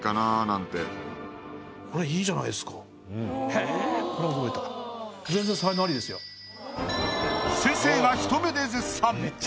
へえ先生がひと目で絶賛！